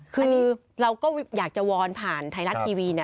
คือเราก็อยากจะวอนผ่านไทยรัฐทีวี